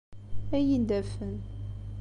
Ad iyi-d-afen.